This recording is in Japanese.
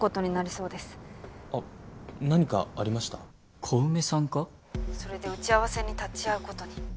それで打ち合わせに立ち会うことに。